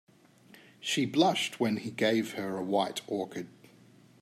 She blushed when he gave her a white orchid.